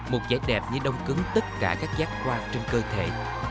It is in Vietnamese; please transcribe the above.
một vẻ đẹp như đông cứng tất cả các giác quan trên cơ thể